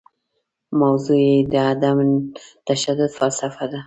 موضوع یې د عدم تشدد فلسفه ده.